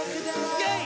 イェイ！